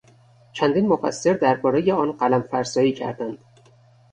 چندین مفسر دربارهی آن قلم فرسایی کردند.